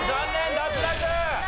脱落。